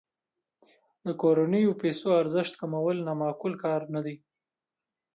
د کورنیو پیسو ارزښت کمول نا معقول کار نه دی.